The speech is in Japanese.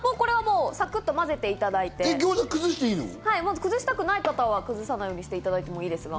サクっと混ぜていただいて、崩したくない方は崩さないようにしていただいてもいいですが。